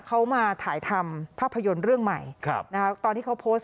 เขามาถ่ายทำภาพยนตร์เรื่องใหม่ครับนะคะตอนที่เขาโพสต์